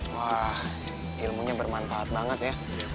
wah ilmunya bermanfaat banget ya